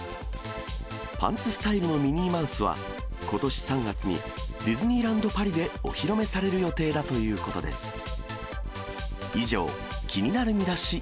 パンツスタイルのミニーマウスは、ことし３月に、ディズニーランド・パリでお披露目される予定だということです。